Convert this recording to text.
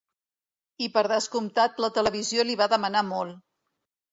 I per descomptat la televisió li va demanar molt.